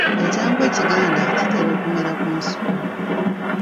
Ekyangwe ekiganda kitera okumera ku nsiko.